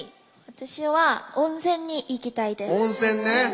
私は温泉に行きたいです。